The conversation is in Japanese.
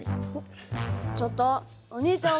ちょっとお兄ちゃん重いよ。